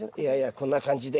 こんな感じで。